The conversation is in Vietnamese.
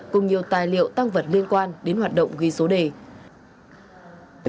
cùng nhiều tài liệu tăng vật liên quan đến hoạt động ghi số đề